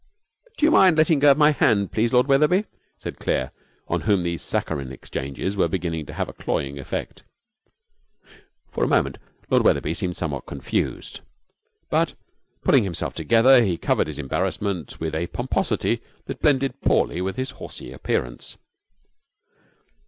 'Do you mind letting go of my hand, please, Lord Wetherby?' said Claire, on whom these saccharine exchanges were beginning to have a cloying effect. For a moment Lord Wetherby seemed somewhat confused, but, pulling himself together, he covered his embarrassment with a pomposity that blended poorly with his horsy appearance.